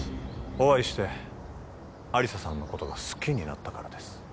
お会いして亜理紗さんのことが好きになったからです